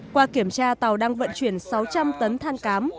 qua kiểm tra tàu đang vận chuyển sáu trăm linh tấn than cám